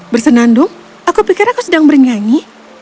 bersenandung aku pikir aku sedang bernyanyi